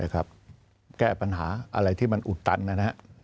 แก้ปัญหาอะไรที่มันอุดตันนะครับ